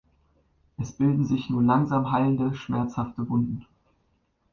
Es bilden sich nur langsam heilende, schmerzhafte Wunden.